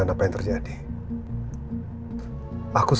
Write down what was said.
tak ada yang mau dicapai ass